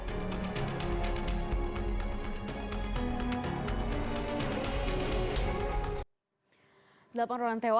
kepada kpu kira kira berapa banyak yang dianggap terluka